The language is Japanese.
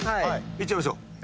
いっちゃいましょう。